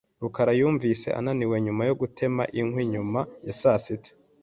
rukara yumvise ananiwe nyuma yo gutema inkwi nyuma ya saa sita .